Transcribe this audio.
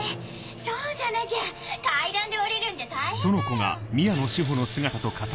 そうじゃなきゃ階段で下りるんじゃ大変だよ。